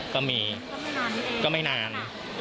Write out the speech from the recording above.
ก็มีก็ไม่นาน